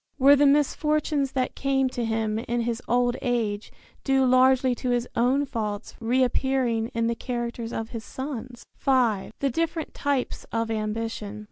Were the misfortunes that came to him in his old age due largely to his own faults reappearing in the characters of his sons? V. THE DIFFERENT TYPES OF AMBITION.